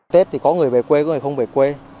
tết thì có người về quê có người không về quê